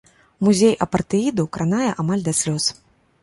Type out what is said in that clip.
Музей апартэіду кранае амаль да слёз.